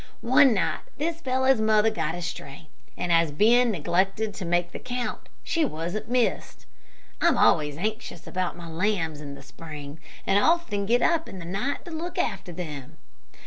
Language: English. One night this fellow's mother got astray, and as Ben neglected to make the count, she wasn't missed. I'm always anxious about my lambs in the spring, and often get up in the night to look after them.